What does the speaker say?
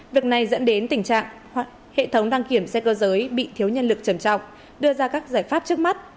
việc này dẫn đến tình trạng hệ thống đăng kiểm xe cơ giới bị thiếu nhân lực trầm trọng đưa ra các giải pháp trước mắt